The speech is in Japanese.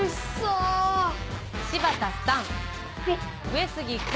上杉君。